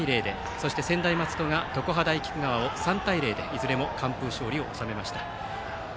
そして専大松戸が常葉大菊川を３対０でいずれも完封勝利を収めました。